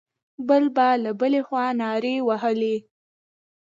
بل به له بلې خوا نارې وهلې.